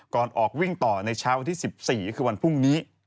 ก่อนออกวิ่งต่อในเช้าวันที่๑๔ก็คือวันพรุ่งนี้